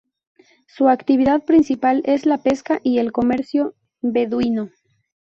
Su actividad principal es la pesca y el comercio beduino.